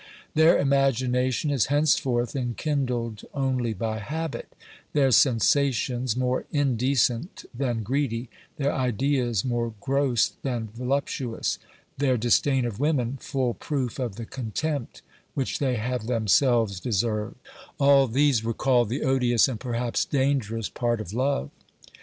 Their imagination is henceforth enkindled only by habit; their sensations, more indecent than greedy ; their ideas, more gross than voluptuous ; their disdain of women — full proof of the contempt which they have themselves deserved — all these recall the odious and perhaps dangerous part of love.